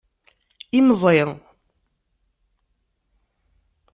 Imẓi.